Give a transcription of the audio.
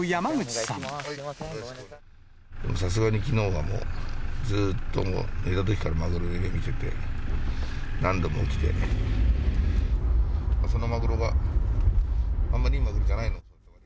さすがにきのうはもうずっと、もう寝たときからマグロの夢見てて、何度も起きて、そのマグロが、あんまりいいマグロじゃないの。